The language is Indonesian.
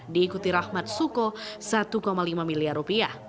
diikuti rahmat suko rp satu lima miliar rupiah